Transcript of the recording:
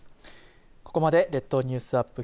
ここまで列島ニュースアップ